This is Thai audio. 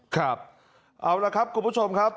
ครับเอาละครับคุณผู้ชมครับ